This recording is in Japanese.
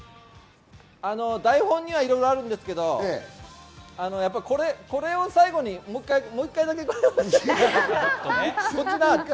台本にはいろいろあるんですけど、やっぱりこれを最後にもう一回だけいいですか？